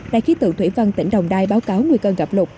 đại khí tượng thủy văn tỉnh đồng nai báo cáo nguy cân gặp lục